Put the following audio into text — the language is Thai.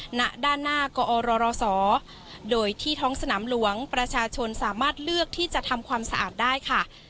หน้าด้านหน้ากอรศโดยที่ท้องสนามหลวงประชาชนสามารถเลือกที่จะทำความสะอาดได้ค่ะ